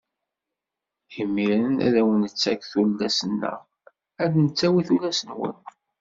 Imiren ad wen-nettak tullas-nneɣ, ad d-nettawi tullas-nwen.